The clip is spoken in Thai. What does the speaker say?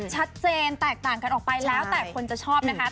ชัดเจนแตกต่างกันออกไปแล้วแต่คนจะชอบนะคะ